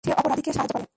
যে অপরাধীকে সাহায্য করে।